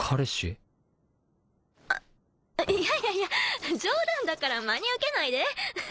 ◆いやいやいや冗談だから真に受けないで。